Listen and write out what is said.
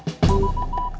saya juga ngantuk